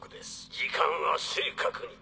時間は正確に！